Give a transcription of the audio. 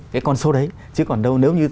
cái con số đấy chứ còn đâu nếu như